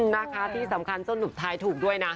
นะคะที่สำคัญสรุปท้ายถูกด้วยนะ